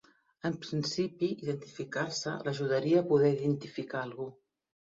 En principi identificar-se l'ajudaria a poder identificar algú.